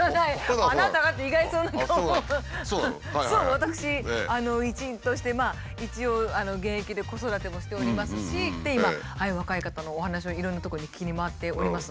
私一員として一応現役で子育てもしておりますし今若い方のお話をいろんなとこに聴きに回っております。